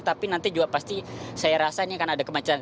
tapi nanti juga pasti saya rasa ini akan ada kemacetan